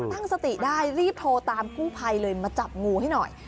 ตั้งสติได้รีบโทรตามกู้ภัยเลยมาจับงูให้หน่อย